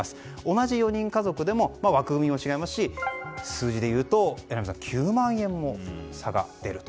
同じ４人家族でも枠組みも違いますし数字でいうと榎並さん、９万円も差が出ると。